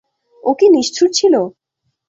ও কি নিষ্ঠুর ছিল?